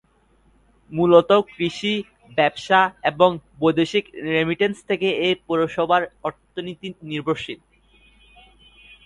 মূলত কৃষি, ব্যবসা এবং বৈদেশিক রেমিটেন্স থেকে এ পৌরসভার অর্থনীতি নির্ভরশীল।